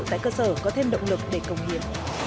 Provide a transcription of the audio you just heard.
tại cơ sở có thêm động lực để cộng hiểm